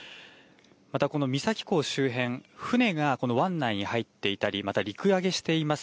また、この三崎港周辺、船が湾内に入っていたりまた陸揚げしています。